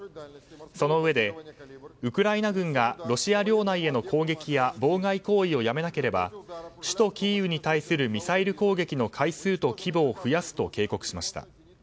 そのうえでウクライナ軍がロシア領内への攻撃や妨害行為をやめなければ首都キーウに対するミサイル攻撃の回数と規模を増やすと警告しました。